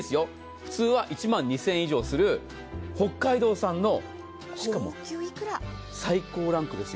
普通は１万２０００円以上する北海道産のしかも最高ランクですよ。